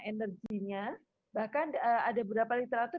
energinya bahkan ada beberapa literatur